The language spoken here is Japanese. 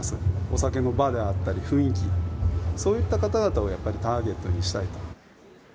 お酒の場であったり、雰囲気、そういった方々をやっぱりターゲットにしたいと。